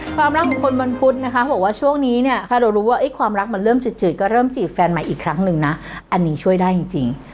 ความรักของคนวันพุธนะคะเขาบอกว่าช่วงนี้เนี่ยถ้าเรารู้ว่าความรักมันเริ่มจืดก็เริ่มจีบแฟนใหม่อีกครั้งหนึ่งนะอันนี้ช่วยได้จริง